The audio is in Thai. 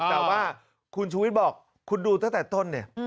แต่ว่าคุณชูวิทย์บอกคุณดูตั้งแต่ต้นเนี่ย